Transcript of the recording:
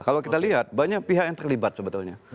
kalau kita lihat banyak pihak yang terlibat sebetulnya